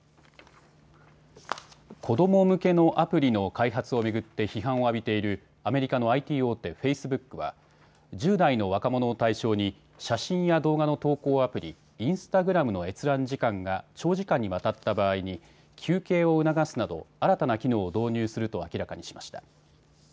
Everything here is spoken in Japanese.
子ども向けのアプリの開発を巡って批判を浴びているアメリカのＩＴ大手、フェイスブックは１０代の若者を対象に写真や動画の投稿アプリ、インスタグラムの閲覧時間が長時間にわたった場合に休憩を促すなど新たな機能を導入すると明らかにしました。